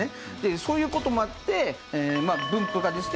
そういう事もあって分布がですね